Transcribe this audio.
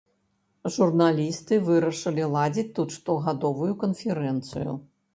Журналісты вырашылі ладзіць тут штогадовую канферэнцыю.